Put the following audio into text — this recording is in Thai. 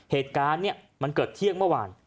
เหตุการณ์เนี่ยมันเกิดเที่ยงเมื่อวาน